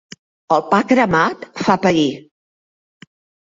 El pa cremat fa pair.